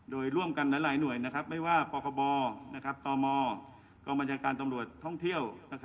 โดยร่วมกันหลายหน่วยไม่ว่าปคบตมกองบัญชาการตำรวจท่องเที่ยว